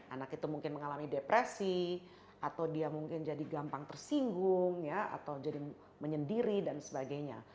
anak itu mungkin mengalami depresi atau dia mungkin jadi gampang tersinggung atau jadi menyendiri dan sebagainya